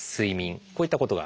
こういったことがあります。